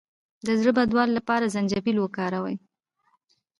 د زړه بدوالي لپاره زنجبیل وکاروئ